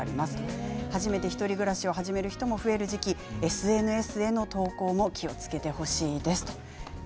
初めて１人暮らしをする人が増える時期ＳＮＳの投稿も気をつけてほしいですということです。